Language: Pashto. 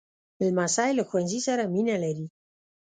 لمسی له ښوونځي سره مینه لري.